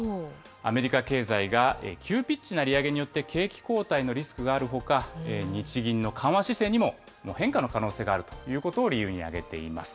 アメリカ経済が急ピッチな利上げによって景気後退のリスクがあるほか、日銀の緩和姿勢にも変化の可能性があるということを理由に挙げています。